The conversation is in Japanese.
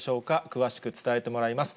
詳しく伝えてもらいます。